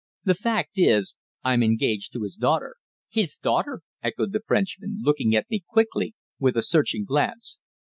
"The fact is, I'm engaged to his daughter." "His daughter!" echoed the Frenchman, looking at me quickly with a searching glance.